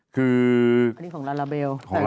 คืออันนี้ของลาลาเบล